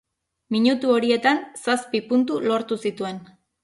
Minutu horietan zazpi puntu lortu zituen.